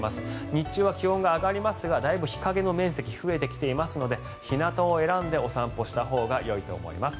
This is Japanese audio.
日中は気温が上がりますが日陰の面積が増えてきていますので日なたを選んでお散歩したほうがよいと思います。